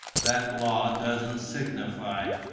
That law doesn't signify.